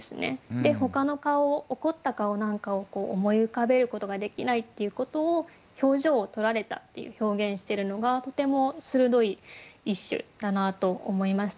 でほかの顔怒った顔なんかを思い浮かべることができないっていうことを「表情を盗られた」って表現してるのがとても鋭い一首だなと思いました。